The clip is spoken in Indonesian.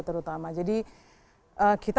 terutama jadi kita